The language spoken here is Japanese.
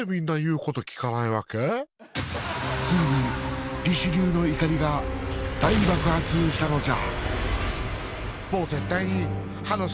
ついにリシュリューの怒りが大爆発したのじゃ！